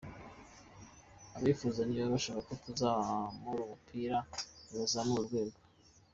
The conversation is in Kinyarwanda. Abasifuzi niba bashaka ko tuzamura umupira nibazamure urwego.